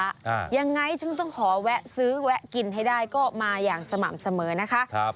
อ่ายังไงฉันต้องขอแวะซื้อแวะกินให้ได้ก็มาอย่างสม่ำเสมอนะคะครับ